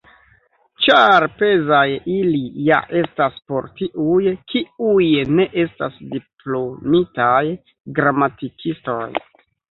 Ĉar pezaj ili ja estas por tiuj, kiuj ne estas diplomitaj gramatikistoj.